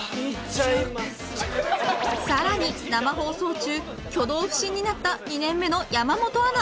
更に生放送中挙動不審になった２年目の山本アナ。